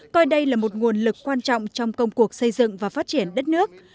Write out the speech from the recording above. coi đây là một nguồn lực quan trọng trong công cuộc xây dựng và phát triển đất nước